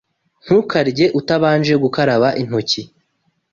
Ntukarye utabanje gukaraba intoki.